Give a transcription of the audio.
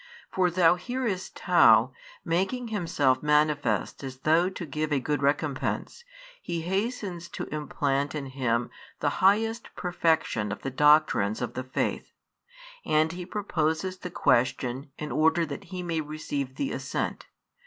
For thou hearest how, making Himself manifest as though to give a good recompense, He hastens to implant in him the highest perfection of the doctrines of the faith. And He proposes the question in order that He may receive the assent.